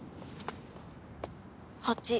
８。